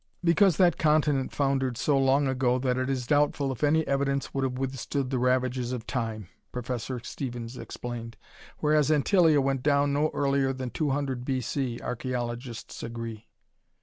"Because that continent foundered so long ago that it is doubtful if any evidence would have withstood the ravages of time," Professor Stevens explained, "whereas Antillia went down no earlier than 200 B. C., archaeologists agree."